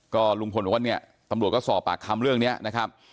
ก็ลุงพลบอกว่าเนี่ยตำรวจก็สอบปากคำเรื่องนี้นะครับ